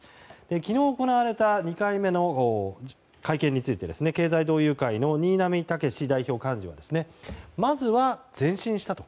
昨日、行われた２回目の会見について経済同友会の新浪剛史代表幹事はまずは前進したと。